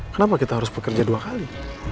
kenapa kita harus bekerja dua kali